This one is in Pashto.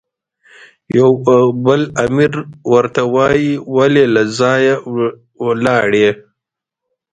یو بل امیر ورته وایي، ولې له ځایه ولاړې؟